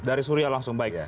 dari syria langsung baik